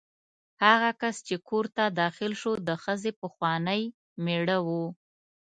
هغه کس چې کور ته داخل شو د ښځې پخوانی مېړه و.